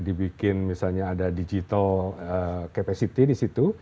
dibikin misalnya ada digital capacity disitu